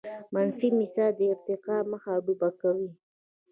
منفي مزاج د ارتقاء مخه ډب کوي.